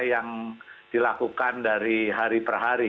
yang dilakukan dari hari per hari